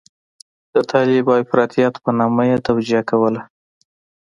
د طالب او افراطيت په نامه یې توجیه کوله.